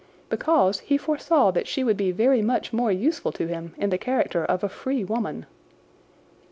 "Because he foresaw that she would be very much more useful to him in the character of a free woman."